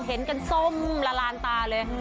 เห็นกันส้มละลานตาเลย